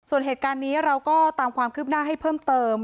ส่วนเหตุการณ์นี้เราก็ตามความคืบหน้าให้เพิ่มเติม